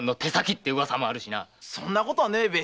そんなことはねえべ。